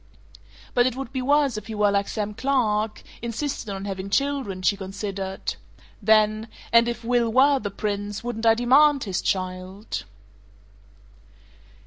"But it would be worse if he were like Sam Clark insisted on having children," she considered; then, "If Will were the Prince, wouldn't I DEMAND his child?"